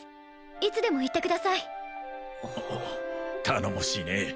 いつでも言ってください頼もしいね